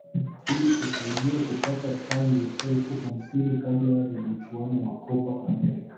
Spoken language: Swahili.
ili kusaidia kupata chanjo elfu hamsini kabla ya mchuano wa Copa America